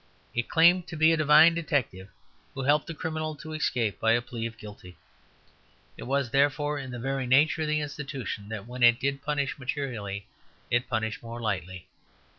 It claimed to be a divine detective who helped the criminal to escape by a plea of guilty. It was, therefore, in the very nature of the institution, that when it did punish materially it punished more lightly.